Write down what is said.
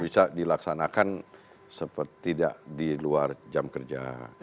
bisa dilaksanakan seperti tidak di luar jam kerja